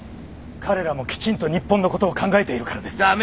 彼らもきちんと日本のことを考えているからです。